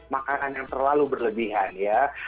makanan yang terlalu berlebihan ya